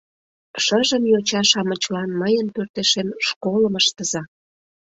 Шыжым йоча-шамычлан мыйын пӧртешем школым ыштыза.